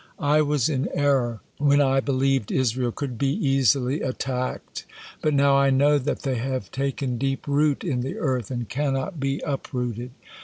"I was in error when I believed Israel could be easily attacked, but now I know that they have taken deep root in the earth, and cannot be uprooted.